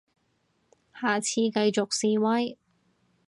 下次繼續示威